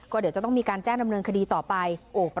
ก็เดี๋ยวจะต้องมีการแจ้งดำเนินคดีต่อไป